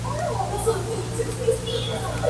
Al llegar a la ciudad es canalizado.